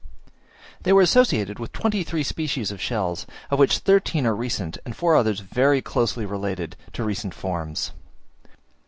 They were associated with twenty three species of shells, of which thirteen are recent and four others very closely related to recent forms.